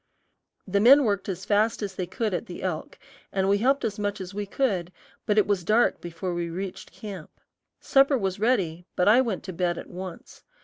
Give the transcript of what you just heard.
The men worked as fast as they could at the elk, and we helped as much as we could, but it was dark before we reached camp. Supper was ready, but I went to bed at once.